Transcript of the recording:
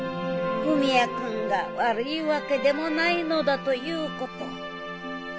文也君が悪いわけでもないのだということを。